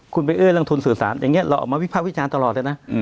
คุณไปเอ้ยลงทุนสื่อสารอย่างนี้เราออกมาวิภาควิจารณ์ตลอดเลยนะ